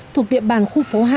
thuộc địa bàn khu phố hai